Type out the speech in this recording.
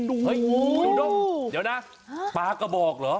เฮ้ยดูด้งเดี๋ยวนะปลากระบอกเหรอ